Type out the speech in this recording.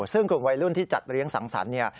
ซึ่งกลุ่มวัยรุ่นที่จัดเลี้ยงสังสรรค์เนี่ย